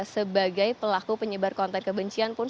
sebagai pelaku penyebar konten kebencian pun